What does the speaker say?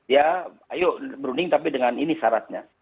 ya ayo berunding tapi dengan ini syaratnya